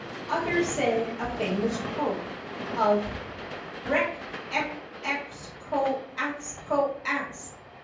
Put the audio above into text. '' Others sang a famous croak of Brek ek eks co ax co ax